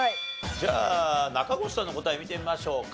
じゃあ中越さんの答え見てみましょうか。